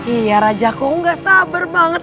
iya rajaku aku ga sabar banget